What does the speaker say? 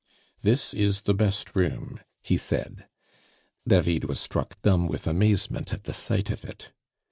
"This is the best room," he said. David was struck dumb with amazement at the sight of it.